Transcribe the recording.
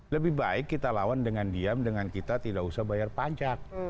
lebih baik kita lawan dengan diam dengan kita tidak usah bayar pajak